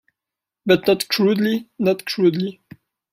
But not crudely, not crudely.